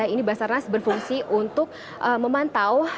ini basarnas berfungsi untuk memantau